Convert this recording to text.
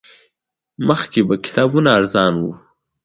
مخکې به کتابونه ارزان وو